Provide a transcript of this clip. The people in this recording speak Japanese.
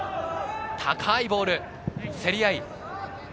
高いボール、競り合い。